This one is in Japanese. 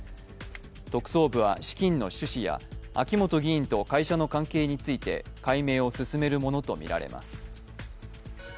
特捜部は資金の趣旨や秋本議員と会社の関係について解明を進めるものとみられます。